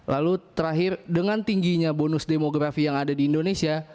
lalu terakhir dengan tingginya bonus demografi yang ada di indonesia